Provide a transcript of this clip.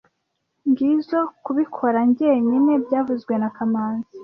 Ngizoe kubikora njyenyine byavuzwe na kamanzi